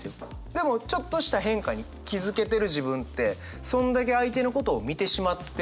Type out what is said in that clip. でもちょっとした変化に気付けてる自分ってそんだけ相手のことを見てしまってるな。